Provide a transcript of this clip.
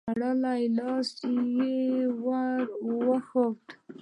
تړلی لاس يې ور وښود.